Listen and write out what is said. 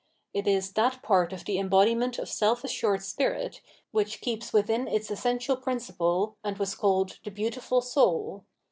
It is that part of the embodiment of self assured spirit which keeps within its essential principle and was called the " beautiful soul."